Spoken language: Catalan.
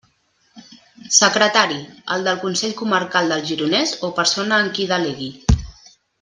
Secretari: el del Consell Comarcal del Gironès o persona en qui delegui.